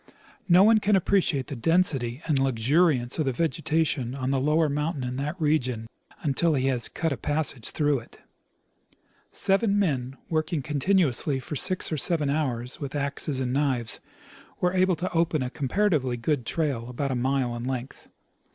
No one can appreciate the density and luxuriance of the vegetation on the lower mountain in that region until he has cut a passage through it. Seven men, working continuously for six or seven hours with axes and knives, were able to open a comparatively good trail about a mile in length.